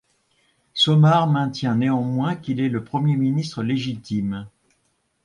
Somare maintient néanmoins qu'il est le premier ministre légitime.